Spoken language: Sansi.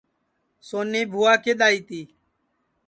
سونی بُھوا کِدؔ آئی تی